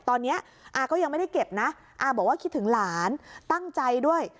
ตอนนี้อาก็ยังไม่ได้เก็บนะอาบอกว่าคิดถึงหลานตั้งใจด้วย